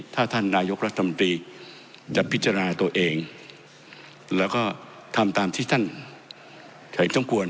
ถ้าท่านนายกรัฐมนตรีจะพิจารณาตัวเองแล้วก็ทำตามที่ท่านเห็นต้องควร